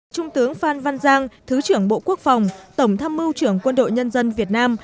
trung tướng phan văn giang thứ trưởng bộ quốc phòng tổng tham mưu trưởng quân đội nhân dân việt nam